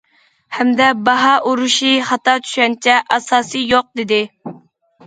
ھەمدە« باھا ئۇرۇشى خاتا چۈشەنچە»،« ئاساسى يوق» دېدى.